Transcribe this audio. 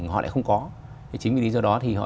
họ lại không có chính vì lý do đó thì họ